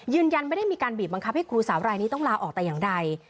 ยืนยันไม่ได้มีการบีบบังคับให้ครูสาวรายนี้ต้องลาออกแต่อย่างใด